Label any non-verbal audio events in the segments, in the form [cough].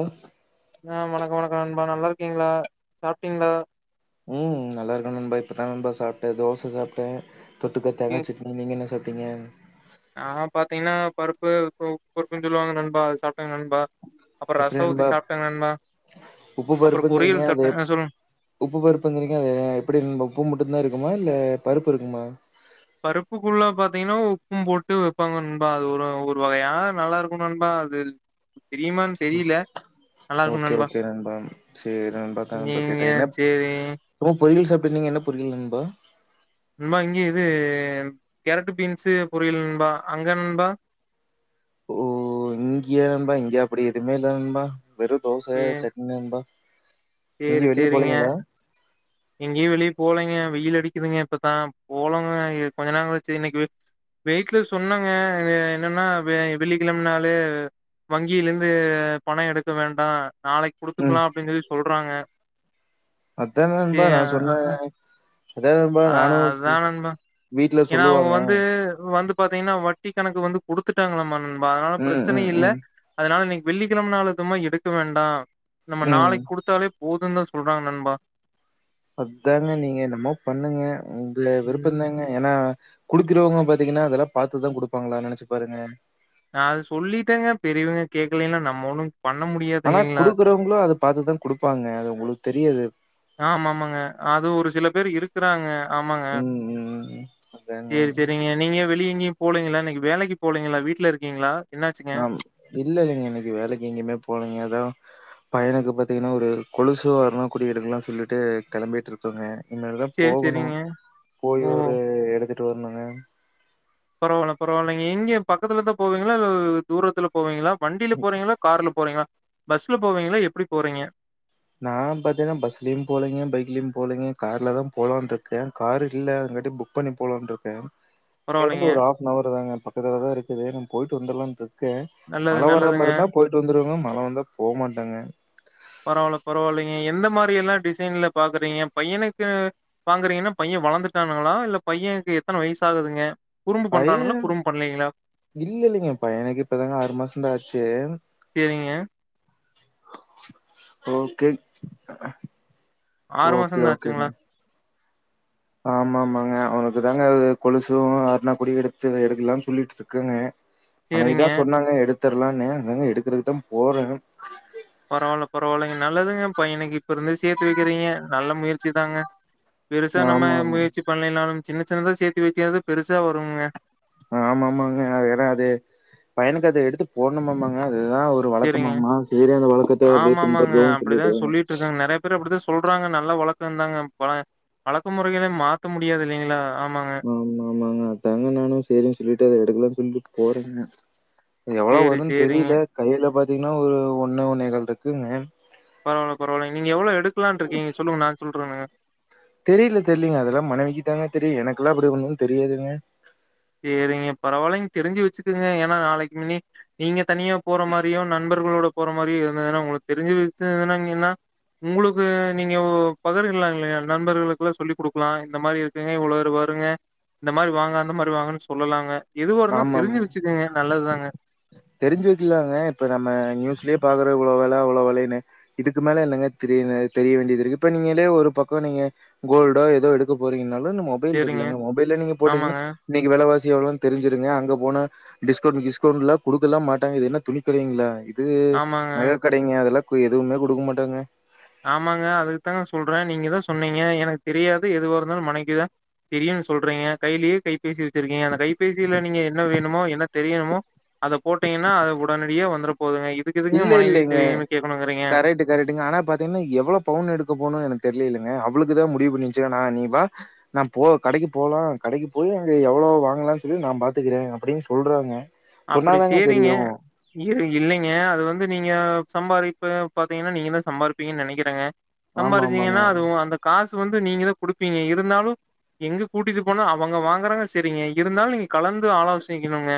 ஒ ஆஹ் வணக்க வணக்க நண்பா நல்லா இருக்கீங்ளா சாப்ட்டீங்ளா உம் நல்லா இருக்கே நண்பா இப்பதா நண்பா சாப்ட்டே தோச சாப்ட்டே தொட்டுக்க தேங்கா சேரி சே சட்னி நீங்க என்ன சாப் டிங்க நா பாத்தீங்னா பருப்பு பொ பொருப்புன் சொல்லுவாங்க நண்பா சாப் எப்டி நண்பா நண்பா உப்பு அப்புறம் பருப்புங்கிறீங்க பொரியல் அது சாப்ட்டேங்க சொல்லுங்க உப்பு பருப்புங்கிறீங்க அது எப்டி நண்பா உப்பு மட்டுந்தா இருக்குமா இல்ல பருப்பு இருக்குமா பருப்புக்குள்ள பாத்தீங்னா உப்பும் போட்டு வெப்பாங்க நண்பா அது ஒரு ஒரு வகையா நல்லா இருக்கு நண்பா அது தெரியுமான் தெரியில நல்லா இருக்கு ஓகே நண்பா ஓகே சேரி நண்பா அதா நண்பா நீங்க கேட்டே என்ன சேரி சும்மா பொரியல் சாப்ட்டு வந்தீங்க என்ன பொரியல் நண்பா நண்பா இங்க இது கேரட்டு பீன்ஸு பொரியல் நண்பா அங்க நண்பா ஓ இங்கயா நண்பா இங்க அப்டி எதுமே இல்ல நண்பா வெறு தோச சேரி சட்னி நண்பா எங்கயு வெளிய போலைங்ளா எங்கயு வெளிய போலைங்க வெயில் அடிக்குதுங்க இப்பதா போலாங்க இப் கொஞ்ச நாளாச்சு இன்னக்கி வீட்ல சொன்னாங்க எ என்னன்னா வெள்ளிக்கெழம நாளு வங்கிலருந்து பண எடுக்க வேண்டா நாளைக்கு ம் குடுத்துக்லா அப்டின் சொல்லி சொல்றாங்க அதா சே நண்பா நா அ சொன்னே அதா நண்பா நானு அதா இப்போ நண்பா வீட்ல சொல்லுவாங்க பாத்தீங்னா வட்டி கணக்கு வந்து குடுத்துட்டாங்களாம் நண் பா அதனால ம் பிரச்சனை ம் இல்ல ம் அதனால நீங் வெள்ளிக்கெழம நாளதுமா எடுக்க வேண்டா நம்ம ம் நாளைக் குடுத்தாலே போதுந்தா சொல்றாங்க நண்பா அதாங்க நீங்க என்னமோ பண்ணுங்கெ உங்க ம் விருப்பந்தாங்க ஏனா குடுக்குறவங்க பாத்திங்கனா அதெல்லா பாத்துதா குடுப்பாங்களா நெனச்சு பாருங்க நா அது சொல்லிட்டெங்க பெரியவங்க கேக்கலைன்னா நம்ம ஒண்ணு பண்ண முடியாது ஆனா இல்லைங்களா குடுக்குறவங்களு அத பாத்துதா குடுப்பாங்க அது உங்களுக்கு தெரியாது ஆமாமாங்க அது ஒரு சில பேர் இருக்குறாங்க ஆமாங்க ம் ம் ம் அதாங்க சேரி செரிங்க நீங்க வெளி எங்கெயு போலெங்களா இன்னைக்கு வேலைக்கு போலைங்களா வீட்ல இருக்கிங்ளா ஆமா இல்லல்லைங்க இன்னைக்கு வேலைக்கு எங்குயுமே போலைங்க எதோ பையனுக்கு பாத்திங்கனா ஒரு ஒரு கொலுசு ஒரு அருணா கொடி எடுக்கலா சொல்லிட்டு கெளம்பிட்ருக்கொங்க இனிமேலதா சரி, போகணு சரிங்க. போய் ஓ! ஒரு எடுத்துட் டோர்னுங்க பரவால்ல பரவால்லைங்க எங்க பக்கத்துலதா போவெங்களா இல்ல தூரத்துல போவெங்களா வண்டியில போறெங்களா கார்ல போறெங்க பஸ்ல போவீங்களா எப்படி போறெங்க நா பாத்தெங்னா பஸ்லயு போலெங்க பைக்லயும் போலெங்க கார்ல தாம்போலான்ருக்கே கார் இல்ல அதுகாட்டி புக் பண்ணி போலான்ருக்கே பரவால்லைங்க. இங்கருந்து ஒரு ஹாஃப் னவர் தாங்க பக் இதுலதா இருக்குது நா போயிட்டு வந்துர்லான்றுக் கே நல்லது, மழ வர நல்லதுங்க. மாருந்தா போயிட்டு வந்துருங்கம் மழ வந்தா போ மாட்டேங்க பரவால பரவால்லைங்க எந்த மாரி எல்லா டிசைன்ல பாக்குறீங்க பையனுக்கு வாங்குறிகனா பையன் வளர்ந்துட்டானுங்களா இல்ல பையனுக்கு எத்தன வயசாகுதுங்க பைய இல்ல இல்லைங்க பையனுக்கு இப்பதாங்க ஆறு மாசந்தா ஆச்சி சரிங்க. ஓகே ஆறு ஓகே மாசந்தா ஓகேங்க ஆச்சுங்களா ஆமா ஆமாங்க அவனுக்கு தாங்க அது கொலுசு அறுணா கொடி எடுத்து எடுக்கலான் சொல்லிட்ருக்கங்க ஆனா சரிங்க. இதா சொன்னாங்க எடுத் தரலான்னு அதாங்க எடுக்றதுக்கு தா போறே பரவால்ல பரவால்லைங்க நல்லதுங்க பையனுக்கு இப்பருந்தே சேத்து வக்கிறிங்க நல்ல முயற் ச்சு தாங்க பெருசா நம்ம ஆமா முயற்சி பண்லைனாலும் சின்ன சின்னதா சேர்த்து வச்சியாவது பெருசா வரும்ங்க ஆமாமாங்க ஏன்னா அது பயனுக்கு அது எடுத்து போட்ணுமாமாங்க அதுதா ஒரு சரிங்க. வழக்கமாமா சேரி அந்த வழக்கத்த அப்டியே ஆமாமாங்க. பின்பற்றுவோம் சொல்லிட்டு அப்படிதான் சொல்லிட்டுருக்காங்க. நெறைய பேர் அப்படிதான் சொல்றாங்க. நல்ல வழக்கந்தாங்க பழ பழக்கமுறைகள மாத்த முடியாது இல்லிங்களா ஆமாங்க ஆமா ஆமாங்க அதாங்க நானு சேரின் சொல்லிட்டு அத எடுக்கல சொல்லிட்டு போறேங்க எவ்ளோ சரி, வருனு சரிங்க. தெரியில கையில பாத் பாத்திங்னா ஒரு ஒன்னு ஒன்னேகால் இருக்குங்க பரவால பரவாலங்க நீங்க எவ்ளோ எடுக்கலான்ட்ருக்கிங்க சொல்லுங்க நா சொல்றங்க தெரில தெரிலிங்க அதல்லா மனைவிக்குதாங்க தெரியு எனக்குலா அப்புடி ஒண்ணுமே தெரியாதுங்க சேரிங்க பரவாயில்லைங்க தெரிஞ்சு வெச்சுக்குங்க ஏனா நாளைக்கு முன்னி நீங்க தனியா போற மாரியு நண்பர்களோட போற மா இது மாரி இருந்துதுனா உங்ளுக்கு தெரிஞ்சி வித்துதுனா இங்கினா உங்குளுக்கு நீங்க பகிர்லா இல்லயா நண்பர்களுக்குலா சொல்லி குடுக்கலா இந்த மாரி இருக்குங்க இவ்ளோரு வருங்க இந்த மாரி வாங்னாதா வாங்கனு சொல்லலாங்க ஆமாமாங் வச்சுக்கங்க. நல்லதுதாங்க. தெரிஞ்சி வெக்கலாங்க இப்ப நம்ம நியூஸ்லயே பாக்குற இவ்ளோ வெல அவ்ளோ வெலனு இதுக்கு மேல என்னங்க தெரினு தெரிய வேண்டியது இருக்கு இப்ப நீங்களே ஒரு பக்கம் நீங்க கோல்டோ ஏதோ எடுக்க போறீங்கன்னா [unintelligible] மொபைல் சேரிங்க. இருக்குலங்க மொபைல நீங்க போட்டீங்கனா ஆமாங்க. நீங்க வெலவாசி எவ்ளோ தெரிஞ்சிருங்க அங்க போனா டிஸ்கவுண்ட் கிஸ்கவுண்ட்டுல குடுக்கலா மாட்டாங்க இது என்னா துணி கடையிங்களா இது ஆமாங்க. நக கடைங்க அதுலா கு எதுவுமே குடுக்க மாட்டாங்க ஆமாங்க அதுக்குதா சொல்ற நீங்கதா சொன்னீங்க எனக்கு தெரியாது எதுவா இருந்தாலு மனைவிக்குதா தெரியுனு சொல்றீங்க கையிலயே கை பேசி வச்சிருக்கீங்க அந்த கைப்பேசியில நீங்க என்ன வேணு மோ என்ன தெரியணுமோ அதை போட்டீங்கன்னா அது உடனடியா வந்துடு இல்ல இல்லலைங்க கேட்கணுங்கிறீங்க? கரெக்ட் கரெக்டுங்க ஆனா பாத் அது என்ன எவ்ளோ பவுன் எடுக்க போணுனு எனக்கு தெரிலிலிங்க அவளுக்குதா முடிவு பண்ணி வெச்ச நா நீ வா நா போ கடைக்கு போலா கடைக்கு போய் அங்க எவ்ளோ வாங்க்லானு சொல்லி நா பாத்துக்கிறே அப்டின்னு சொல்றாங்க அப்படி சொன்னாதாங்க சேரிங்க தெரியு இரு இல்லைங்க அது வந்து நீங்க சம்பாரிப்ப பாத்தீங்கன்னா நீங்கதா சம்பாரிப்பீங்கனு நெனைக்கிறங்க ஆமா ஆமாங்க சம்பாரிச்சீங்கனா அதுவு அந்த காசு அது வந்து நீங்கதா குடுப்பீங்க இருந்தாலு எங்க கூட்டிட்டு போனா அவங்க வாங்கறாங்க செரிங்கே இருந்தாலு நீங்க கலந்து ஆலோசிக்கணுங்க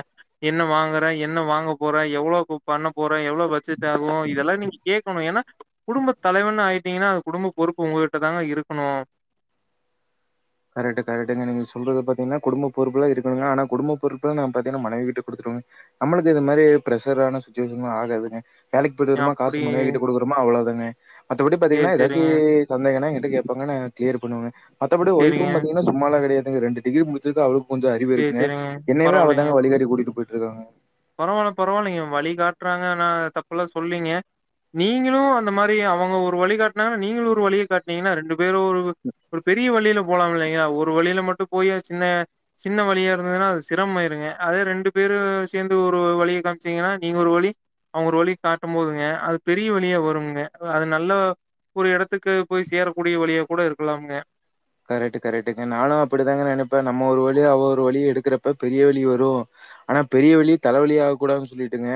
என்ன வாங்குற என்ன வாங்க போற எவ்ளோக்கு பண்ண போற எவ்ளோ பட்ஜட் ஆகு இதலா நீங்க கேட்குணு ஏனா குடும்பத் தலைவண் ஆயி டீங்கனா அந்த குடும்ப பொறுப்பு உங்ககிட்ட தாங்க இருக்குணு கரெக்ட்டு கரெக்டுங்க நீங்க சொல்றது பாத்தீங்கன்னா குடும்ப பொறுப்புலா இருக்கணுங்க ஆனா குடும்ப பொறுப்புலா நா பாத்தீங்கனா மனைவிகிட்ட குடுத்துருவங்க நம்மளுக்கு இது மாரி பிரெசஷரான சுச்சுவேஷன்லா ஆகாதுங்க வேலைக்கு போயிட்டு வரமா அப்படி காசு மனைவிகிட்ட குடுக்குறமா அவ்ளோ தாங்க மத்தபடி சேரி பாத்தீங்கனா ஏதாச்சி சேரிங்க சந்தேகனா எங்கி ட்ட கேப்பாங்க நா க்ளியர் பண்ணுவங்க மத்தப்படி ஒய்ஃப் சேரிங்க [unintelligible] சுமால கிடையா ரெண்டு டிகிரி முடிச்சுக்கா அவளுக் கொஞ்சோ அறிவு சேரி இருக்குங்க சேரிங்க என்னையவே பரவாயில்லைங்க அவதாங்க வழிகாடி கூட்டிட்டு போய்ட் இருக்காங்க பரவாயில்ல பரவாயில்லைங்க வழி காட்டுறாங்கன்னா தப்புல்லா சொல்லீங்க நீங்களு அந்த மாரி அவங்க ஒரு வழி காட்டினாங்கன்னா நீங்களு ஒரு வழிய காட்டனீங்கன்னா ரெண்டு வேற ஒரு ஒரு பெரிய வழில போலாம்லையா ஒரு வழில மட்டு போய் அ சின்ன சின்ன வழியா இருந்ததுன்னா அது சிரமயிருங்க அதே ரெண்டு பேரு சேந்து ஒரு வழிய காமிச்சீங்கன்னா நீங்க ஒரு வழி அவங்க ஒரு வழி காட்டும் போதுங்க அது பெரிய வழியா வரும்ங்க அது நல்ல ஒரு எடத்துக்கு போய் சேரக்கூடிய வழியா கூட இருக்கலாம்ங்க கரெக்ட் கரெக்டுங்க நானு அப்டித்தாங்க நெனைப்பே நம்ம ஒரு வழி அவ ஒரு வழி எடுக்கிறப்ப பெரிய வழி வரு ஆனா பெரிய வழி தல வலி ஆக கூடாதுன்னனு சொல்லிட்டுங்க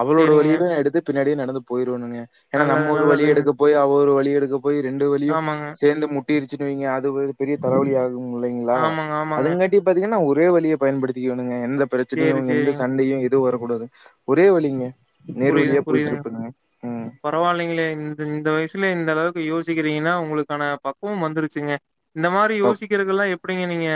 அவளோட சேரிங்க வலியவே நா எடுத்து பி ன்னாடியே நடந்து போயி ஒண்ணுங்க ஏன்னா நல்லது நம்ம ஒரு வழி நல்லதுங்க எடுக்க போய் அவ ஒரு வழி லிஎடுக்கப் போய் ரெண்டு வழியு ஆமாங்க சேந்து முட் முட்டிரூச்சூன்னு வைங்க அ இது ஒரு பெரிய தலவழியாகு ம் இல்லைங்களா ஆமாங்க ஆமாங்க அதுங்காட்டி பாத்தீங்கன்னா ஒரு வேவலிய பயன்படுத்திக்கனு அ எந்த பிரச்சனையு சேரி எந்த சேரிங்க சண்டையு இரு து வரக்கூடாது ஒரே வழிங்க புரியுது புரியுதுங்க பரவாயில்லைங்களே இந்த இந்த வயசு இல்ல இந்த அளவுக்கு யோசிக்கிறீங்கன்னா உங்களுக்கான பக்குவம் வந்துருச்சுங்க இந்த மாரி யோசிக்கிறக்கல்லா எப் ப்படிங்க நீங்க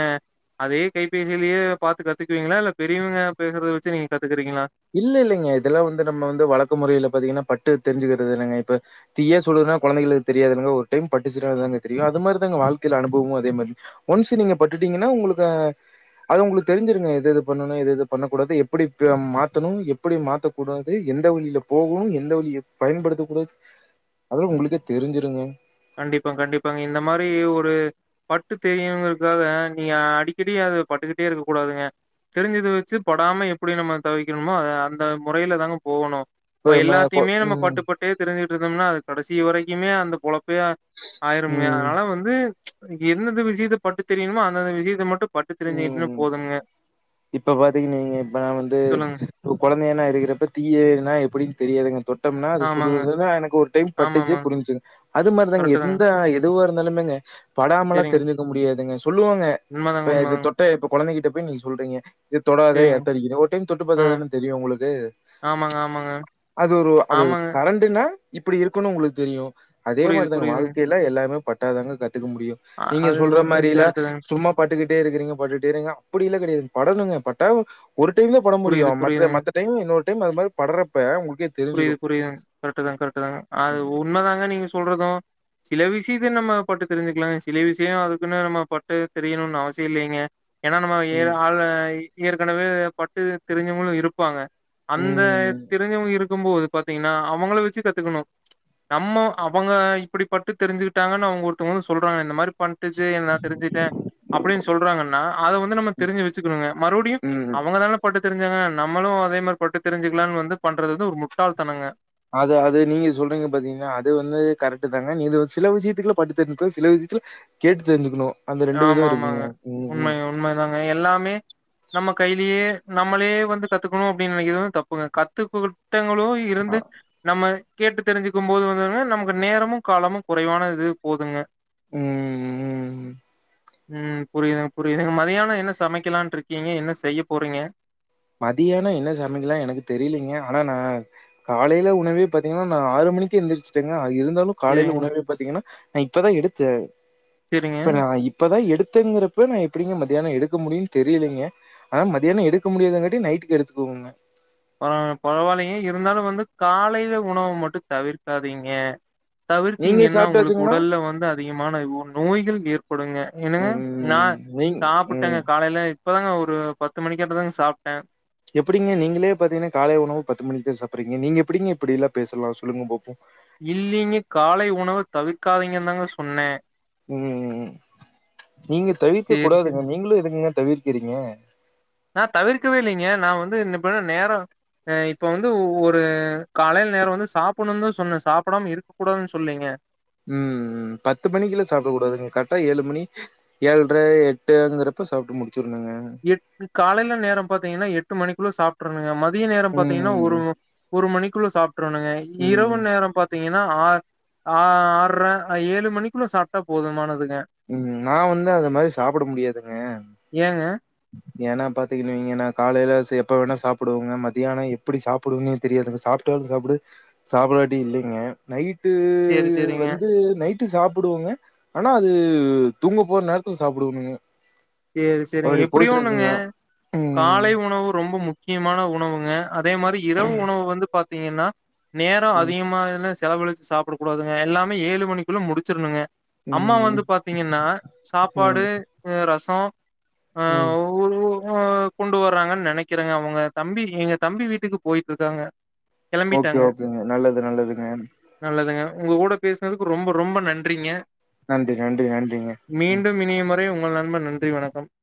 அதே கைபேசியிலயே பாத்து கத்துக்குவீங்களா இல்ல பெரியவங்க பேசுறத வச்சு நீங்க கத்துக்குறீங்களா இல்ல இல்லைங்க இதெல்லா வந்து நம்ம வந்து வழக்கு முறையில பாத்தீங்கன்னா பட்டு தெரிஞ்சுக்கிறதுதனங்க இப்ப தீயே சுடறதுன்னா கொழந்தைகளுக்கு தெரியதுனங்க ஒரு டைம் பட்டுச்சுனாதாங்க தெரியு அது மாதிரிதாங்க வாழ்க்கையையில அனுபவு அதே மாரி ஒன்ஸ் நீங்க பட்டுட்டீங்கன்னா உங்களுக்கு அது உங்களுக்கு தெரிஞ்சிருங்க எது எது பண்ணனு எத எது பண்ணக்கூடாது எப்டி த்தணும் எப்டி மாத்தக் கூடாது எந்த வழில போகணு எந்த வழிய பயன்படுத்த கூடாது அதல்ல உங்களுக்கே தெரிஞ்சுருங்க கண்டிப்பா கண்டிப்பாங்க இந்த மாரி ஒரு பட்டு தெரியுங்கிறதுக்காக நீங்க அடிக்கடி அத பட்டுக்கிட்டே இருக்க கூடாதுங்க தெரிஞ்சதை வச்சு படாம எப்டி நம்ம தவிக்கணுமோ அத அந்த முறையில தாங்க போகணு இப்ப நம்ம கொ எல்லாத்தையுமே நம்ம ம். பட்டுப்பட்டே தெரிஞ்சு இருந்தம்னா அது கடைசி வரைக்குமே அந்த பொழப் இப்ப ஆயிரம ம். அதனால வந்து எந்தந்த விஷயத்த பட்டு தெரியணுமோ அந்தந்த விஷயத்த மட்டு பட்டு தெரிஞ்சுக்கிட்டுனா உம் போதுங்க இப்ப பாத்தீங்கன்னு வைங்க இப்ப நா வந்து சொல்லுங்க ஒரு கொழந்தைன்னா இருக்கிறப்ப தீயனா எப்டினு தெரியாதுங்க தொட் டம்னா அது ஆமாங்க சுடுதுன்னா எனக்கு ஒரு டைம் ஆமா பட்டிச்சு ஆமாங்க புரிச்சுங் அது மாரிதாங்க கரெக்ட்டு தாங்க எந்த எதுவாரு நிலமைங்க படாமெலாம் சரிங்க தெரிஞ்சுக்க முடியாதுங்க சொல்லுவாங்க உண்மதாங்க இப்ப இது உண்மதாங்க தொட்ட இப்ப கொழந்தைகிட்ட எப்ப நீங்க சொல்றீங்க இது தொடாதே சரிங்க எர்த்தடிக்கு ஒரு டைம் தொட்டு ஆ பாத்தாதானே தெரியும் உங்களுக்கு ஆமாங்க ஆமாங்க அது ஒரு அது ஆமாங்க கரண்டுன்னா இப்படி இருக்குனு உங்களுக்கு தெரியும் அதே புரியுது மாரிதாங்க புரியுதுங்க வாழ்க்கையில எல்லாமே பட்ட விட்டாதங்க கத் இருக்க முடியும் அ நீங்க அது சொல்ற ஒ மாரிலாம் கரெக்ட்டு தாங்க சும்மா பாட்டுக்கிட்டு பட்டுட்டே இருக்கறீங்க பட்டுட்டே இருக்கிறிங்க அப்படி எல்லாம் கிடையாது படனுங்க பட்டா ஒரு டைம்லான் பட புரியுது முடியும் மத்த புரியுதுங்க மத்த டைம் இன்னொரு திரும்ப அது மாதிரி படுறப்ப உங்க புரியுது புரியுது கரெக்ட் தான் கரெக்ட் தாங்க அது உன்மதாங்க நீங்க சொல்றதும் சில விஷயத்த நம்ம பட்டு தெரிஞ்சுக்லாங்க சில விஷய அதுக்குனு நம்ம பட்டு தெரியணுன் அவசிய இல்லைங்க ஏனா நம்ம ஏ ம். ஆளை ஏற்கனவே பட்டு தெரிஞ்சவங்களு இருப்பாங்க அந்த ம். தெரிஞ்சவங்க இரு க்கும்போது பாத்திங்னா அவங்கள வெச்சு கத்துக்கணு நம்ம அவங்க இப்படி பட்டு தெரிஞ்சுகிட்டாங்கன் அவங்க ஒருத்தங்க வந்து சொல்றாங்க இந்த மாரி பட்டுச்சு நா தெரிஞ்சிட்டே அப்டின்னு சொல்றாங்கன்னா அத வந்து நம்ம தெரிஞ்சு வெச்சுக்கணுங்க மறுபடியு ம். அவங்கதானே பட்டு தெரிஞ்சாங்க நம்மளு அதே மாரி பட்டு தெரிஞ்சுக்லான் வந்து பண்றதுதா ஒரு மு ட்டாள் தனங்க அது அது நீங்க சொல்றிங்க பாத்திங்ளா அது வந்து கரெக்ட் தாங்க இது வந்து சில விஷயத்துல பட்டு தெரிஞ்சுக்கணு சில விஷயத்துல கேட்டு தெரிஞ்சுக்கணு ஆமாமாங்க உண்மை உண்மைதாங்க எல்லாமே நம்ம கைலயே நம்மளே வந்து கத்துக்கணு அப்டின் நெனைக்கறது தப்புங்க கத்துக்கிட்ட எவ்வளவோ அ. இருந்து நம்ம கேட்டு தெரிஞ்சுக்கும் போது வந்துங்க நமக்கு நேரமு காலமு குறைவான இது போதுங்க ம் ம் ம் புரியுதுங்க புரியுதுங்க மதியான என்ன சமைக்கலான்ட்ருக்கிங்க என்ன செய்ய போறிங்க மதியானம் என்ன சமைக்கலாம் எனக்கு தெரியலீங்க ஆனா நான் காலையில உணவே பாத்தீங்கன்னா நான் ஆறு மணிக்கு எந்திரிச்சுட்டேங்க இருந்தாலும் காலையில சரிங்க உணவை பாத்தீங்கன்னா நா இப்பதா எடுத்தே சரிங்க இப்ப நா இப்பதா எடுத் தேங்கிறப்ப நா எப்டிங்க மதியானோ எடுக்க முடியூ தெரியலைங்க ஆனா மதியானோ எடுக்க முடியாதுங்கட் நைட்டுக்கு எடுத்துக்கோவங்க ஆ பரவாயல்லைங்க இருந்தாலூ வந்து காலையில உணவு மட்டூ தவிர்க்காதீங்க நீங்க தவிர்த்தீங்கன்னா உங்களுக்கு சாப்பிட்டாச்சுங்களா? உடல்ல வந்து அதிகமான நோய்கள் ஏற்படுங்க என்னங்க நா ம். நீங் சாப்பிட்டேங்க ம். காலையில இப்பதாங்க ஒரு பத்து மணிக்கட்ட தாங்க சாப்ட்டே எப்டிங்க நீங்களே பாத்தீங்னா காலை உணவு பத்து மணிக்குதா சாப்புடுறீங்க நீங்க எப்டிங்க இப்டில்லா பேசலா சொல்லுங்க பாப்போ இல்லீங்க காலை உணவு தவிர்க்காதீங்க தாங்க சொன்னே ம் நீங்க தவிக்க சேரி சேரி கூடாதுங்க நீங்களூ எதுங்க தவிர்க்கிறீங்க நா தவிர்க்கவே இல்லைங்க நா வந்து இப்பதா நேரோ ஆ இப்ப வந்து ஒரு காலையில நேரோ வந்து சாப்பிடணூனு தா சொன்னே சாப்பிடாம இருக்க கூடாதுன் சொல்லைங்க ம் பத்து மணிக்குலா சாப்பிட கூடாதுங்க கரெக்டா ஏழு மணி ஏழரை எட்டுங்கிறப்ப சாப்பிட்டு முடி எட் காலில நேரோ பாத்தீங்னா எட் டு மணிக்குள்ள சாப்ட்ருங்க மத் மதிய நேரோ பாத்தீங்னா ம். ஒரு ஒரு மணிக் குள்ள சாப் ட்ருவேனுங்க இரவு ம். நேரோ பாத்தீங் ஏன்னா ஆ ஆற்ர ஏழு மணிக்குள்ள சாப்டா போதுமானது ம் நா வந்து அந்த மாரி சாப்பிட முடியாதுங்க ஏங்க? ஏனா பாத்தீங்னா காலையில சேப்பா வேணா சாப்பிடுவேங்க மத்தியானோ எப்டி சாப்பிடுவேன்னே தெரியாதுங்க சாப்படாலூ சாப்டு சாப்பிடாட்டி இல்லைங்க நைட் டு சரி, சரிங்க. வந்து நைட் ட்டு சாப்பிடுவேங்க ஆனா அது தூங்க போற நேரத்துல சாப்பிடுவேனுங்க ஏஸ் செரிங்க எப்டியோ ஒன்னுங்க ம். காலை உணவு ரொம்ப முக் கியமான உணவுங்க அதே மாரி இரவு உணவு வந்து பாத்தீங்கன்னா நேரோ ம். அதிகமாகலஸ் செலவழிச்சு சாப்டக்கூடாதுங்க எல்லாமே ஏழு மணிக்குள்ள முடிச்சிர்ணுங்க அம்மா ம். வந்து பாத்தீங்கன்னா ம். சாப்பாடு உ ரஸ் சோ ஆ ம். [unintelligible] ஆ கொண்டு வர்றாங்கன் நெனைக்கிறேங்க அவுங்க தம்பி எங்க தம்பி வீட்டுக்கு போயிட்ருக்காங்க ஓகே ஓகேங்க நல்லது நல்லதுங்க நல்லதுங்க. உங்க ஊட பேசுனதுக்கு ரொம்ப ரொம்ப நன்றிங்க நன்றி, நன்றி, நன்றிங்க. ம். மீண்டும் இனிய முறை உங்கள் நண்பன் றி வணக்கம்